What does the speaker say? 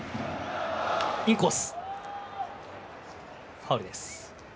ファウルです。